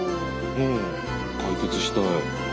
うん解決したい。